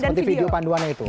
seperti video panduannya itu